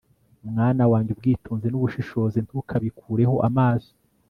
mwana wanjye, ubwitonzi n'ubushishozi ntukabikureho amaso